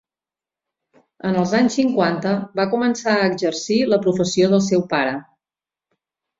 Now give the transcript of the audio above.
En els anys cinquanta va començar a exercir la professió del seu pare.